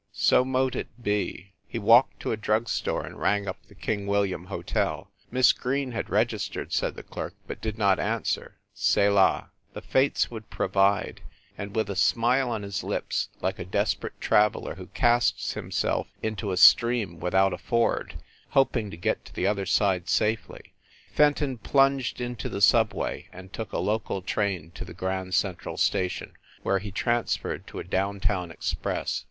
So mote it be! He walked to a drug store and rang up the King William Hotel. Miss Green had registered, said the clerk, but did not answer. Selah! The fates would provide, and, with a smile on his lips, like a desperate traveler who casts himself into a stream without a ford, hoping to get to the other side safely, Fenton plunged into the subway and took a local train to the Grand Central Station, where he transferred to a down town express.